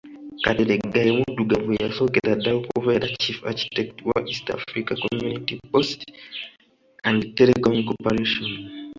Kateregga ye muddugavu eyasookera ddala okubeera Chief Architect wa East Africa Community Post & Telecom Corporation.